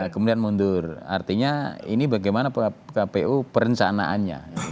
kemudian mundur artinya ini bagaimana kpu perencanaannya